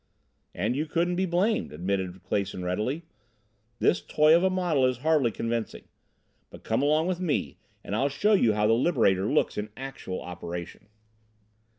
"And you couldn't be blamed," admitted Clason readily. "This toy of a model is hardly convincing. But come along with me and I'll show you how the Liberator looks in actual operation."